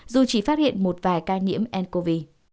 dù chỉ phát hiện một vài ca nhiễm ncov